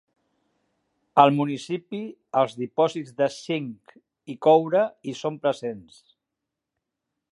Al municipi, els dipòsits de zinc i coure hi són presents.